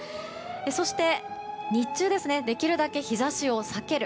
そして、日中できるだけ日差しを避ける。